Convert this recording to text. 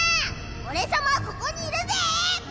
俺様はここにいるぜ！